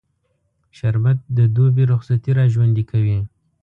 شربت د دوبی رخصتي راژوندي کوي